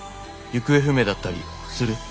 行方不明だったりする？」。